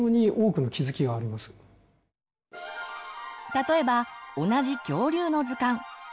例えば同じ恐竜の図鑑。